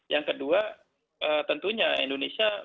yang kedua tentunya indonesia